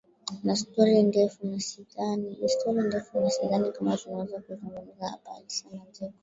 Ni stori ndefu na sidhani kama tunaweza kuzungumza hapa alisema Jacob